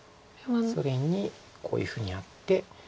それにこういうふうにやって。